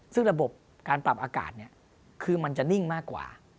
ซึ่งระบบการปรับอากาศคือมันจะนิ่งมากกว่า